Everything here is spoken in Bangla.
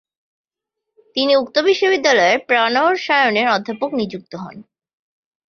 তিনি উক্ত বিশ্ববিদ্যালয়ে প্রাণরসায়নের অধ্যাপক নিযুক্ত হন।